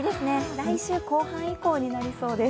来週後半以降になりそうです。